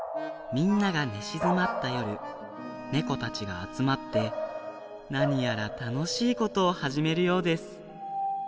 みんながねしずまったよるねこたちがあつまってなにやらたのしいことをはじめるようです。